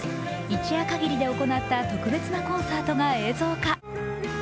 一夜限りで行った特別なコンサートが映像化。